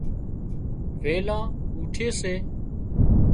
ويلان اُُوٺي سي